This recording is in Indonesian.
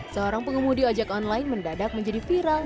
seorang pengemudi ojek online mendadak menjadi viral